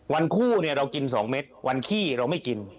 คู่เนี่ยเรากิน๒เม็ดวันขี้เราไม่กิน